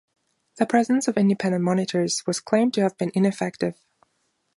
The presence of independent monitors was claimed to have been ineffective.